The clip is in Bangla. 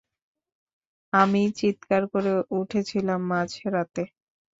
আমিই চিৎকার করে উঠেছিলাম মোঝরাতে।